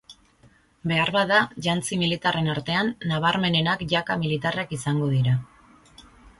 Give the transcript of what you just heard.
Beharbada jantzi militarren artean nabarmenenak jaka militarrak izango dira.